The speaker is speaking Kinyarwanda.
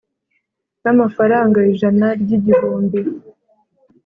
N'amafaranga ijana ry'igihumbi